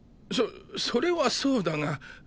そそれはそうだが。